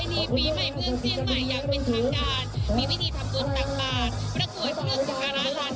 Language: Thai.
อ๋อแล้วเป็นยังไงบ้างเพราะว่าปีนี้สามปีเนอะที่เราไม่ได้เล่นศูนย์การกัน